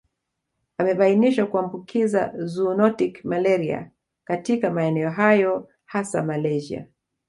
Amebainishwa kuambukiza zoonotic malaria katika maeneo hayo hasa Malaysia